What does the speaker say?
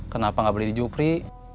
kenapa gak beli di jupri